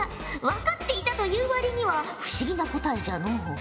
わかっていたという割には不思議な答えじゃのう。